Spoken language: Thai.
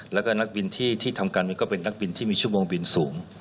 แล้วก็นักบินที่ทำการบินก็เป็นนักบินที่มีชั่วโมงบินสูง